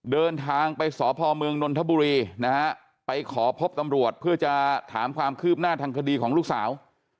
เดินทางไปสพเมืองนนทบุรีนะฮะไปขอพบตำรวจเพื่อจะถามความคืบหน้าทางคดีของลูกสาว